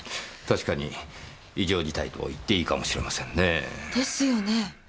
確かに異常事態といっていいかもしれませんねぇ。ですよね。